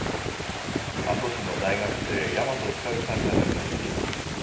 阿蘇市の大学生、大和晃さんが亡くなりました。